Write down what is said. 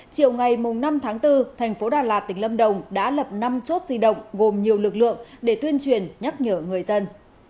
chiều ngày năm tháng bốn thành phố đà lạt tỉnh lâm đồng đã lập năm chốt di động gồm nhiều lực lượng để tuyên truyền nhắc nhở người dân